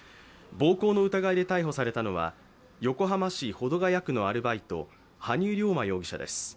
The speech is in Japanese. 暴行の疑いで逮捕されたのは横浜市保土ケ谷区のアルバイト羽生竜馬容疑者です。